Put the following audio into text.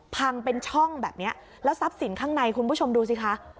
พังเป็นช่องแบบนี้แล้วทรัพย์สินข้างในคุณผู้ชมดูสิคะ